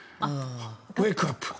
ウェイクアップ！